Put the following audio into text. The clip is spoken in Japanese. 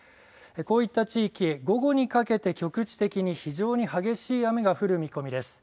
こういった地域午後にかけて局地的に非常に激しい雨が降る見込みです。